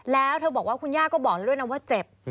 แล้วเธอบอกว่าคุณย่าก็บอกด้วยนะว่าเจ็บ